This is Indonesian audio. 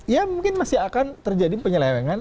ya mungkin masih akan terjadi penyelewengan